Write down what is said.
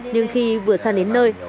nhưng khi vừa sang đến nơi